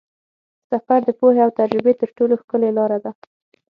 سفر د پوهې او تجربې تر ټولو ښکلې لاره ده.